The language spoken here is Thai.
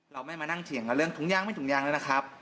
เราไม่มานั่งเถียงกับเรื่องถุงยางไม่ถุงยางเลยนะครับ